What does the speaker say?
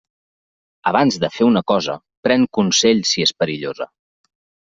Abans de fer una cosa, pren consell si és perillosa.